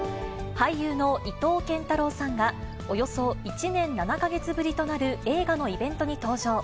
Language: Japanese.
俳優の伊藤健太郎さんが、およそ１年７か月ぶりとなる映画のイベントに登場。